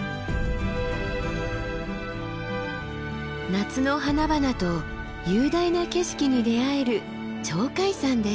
夏の花々と雄大な景色に出会える鳥海山です。